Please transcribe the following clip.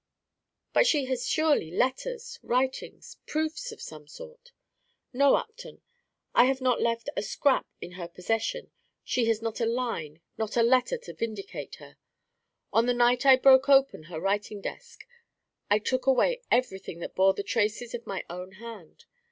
"But she has surely letters, writings, proofs of some sort." "No, Upton, I have not left a scrap in her possession; she has not a line, not a letter to vindicate her. On the night I broke open her writing desk, I took away everything that bore the traces of my own hand.